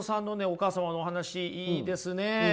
お母様のお話いいですね！